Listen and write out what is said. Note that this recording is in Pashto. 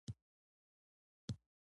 ایا زما رحم به ښه شي؟